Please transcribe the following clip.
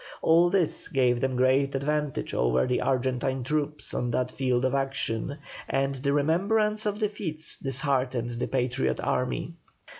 All this gave them great advantages over the Argentine troops on that field of action, and the remembrance of defeats disheartened the Patriot army.